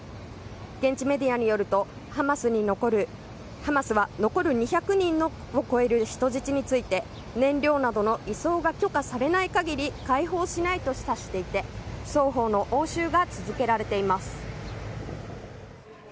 現地メディアによるとハマスは残る２００人を超える人質について、燃料などの移送が許可されない限り解放しないと示唆していて双方の応酬が続けられています。